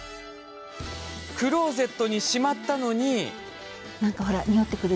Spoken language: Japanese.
クローゼットにしまったのに。